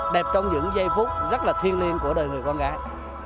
đẹp trong những giây phút rất là thiên liên của đời người con gái